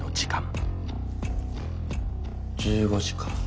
１５時か。